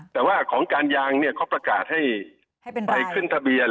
แต่ว่าของการยางเนี่ยเขาประกาศให้ไปขึ้นทะเบียน